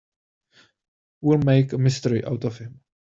We'll make a mystery out of him.